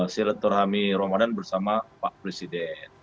si retur hami ramadan bersama pak presiden